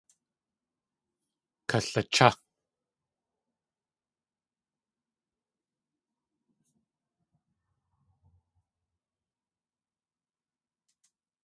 Kalachá!